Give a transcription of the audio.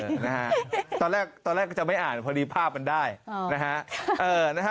นะฮะตอนแรกตอนแรกก็จะไม่อ่านพอดีภาพมันได้นะฮะ